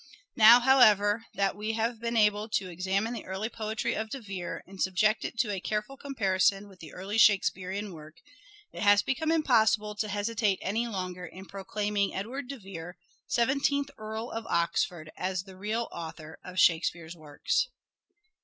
Now, however, that we have been able to examine the early poetry of De Vere, and subject it to a careful comparison with the early Shakespearean work, it has become impossible to hesitate any longer in proclaiming Edward de Vere, Seventeenth Earl of Oxford, as the real author of " Shakespeare's " works.